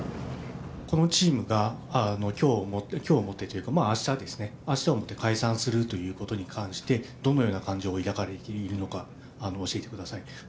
このチームがきょうをもってというか、あしたですね、あしたをもって解散するということに関して、どのような感情を抱かれているのか教えてください。